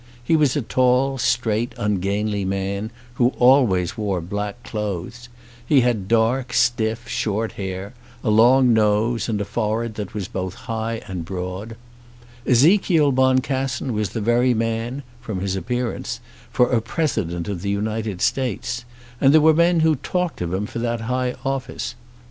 He was a tall, straight, ungainly man, who always wore black clothes. He had dark, stiff, short hair, a long nose, and a forehead that was both high and broad. Ezekiel Boncassen was the very man, from his appearance, for a President of the United States; and there were men who talked of him for that high office.